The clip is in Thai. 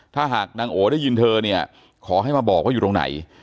ถ้าหากนางโอได้ยินเธอเนี่ยขอให้มาบอกว่าอยู่ตรงไหน